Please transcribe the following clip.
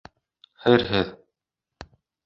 Хәйерһеҙ!